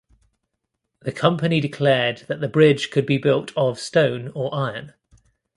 The Company declared that the bridge could be built of stone or iron.